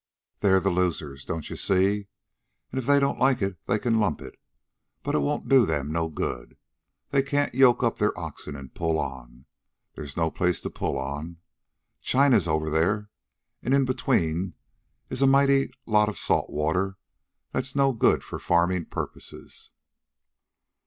They're the losers, don't you see? An' if they don't like it they can lump it, but it won't do them no good. They can't yoke up their oxen an' pull on. There's no place to pull on. China's over there, an' in between's a mighty lot of salt water that's no good for farmin' purposes."